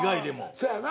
そやな。